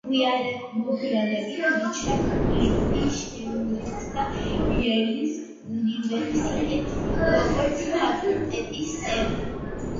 მოგვიანებით რიჩარდ ფლინტი შეუერთდა იელის უნივერსიტეტს, როგორც ფაკულტეტის წევრი.